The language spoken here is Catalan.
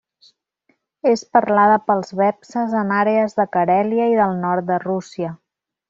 És parlada pels vepses en àrees de Carèlia i del nord de Rússia.